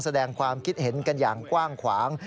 แสดงความคิดเห็นกันอย่างกว้างขวาง